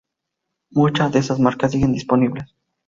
Muchas de esas marcas siguen disponibles.